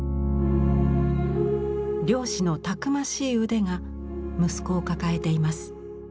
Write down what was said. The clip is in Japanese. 漁師のたくましい腕が息子を抱えています。